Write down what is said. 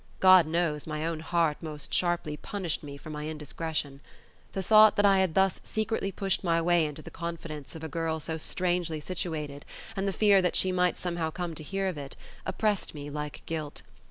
God knows, my own heart most sharply punished me for my indiscretion. The thought that I had thus secretly pushed my way into the confidence of a girl so strangely situated, and the fear that she might somehow come to hear of it, oppressed me like guilt.